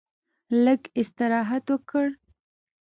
لږ استراحت وکړ.